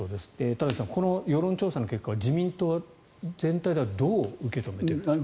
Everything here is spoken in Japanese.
田崎さん、この世論調査の結果は自民党全体ではどう受け止めているんですか？